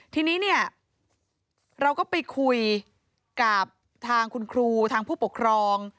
ทีนี้เนี่ยเราก็ไปคุยกับทางคุณครูทางผู้ปกครอง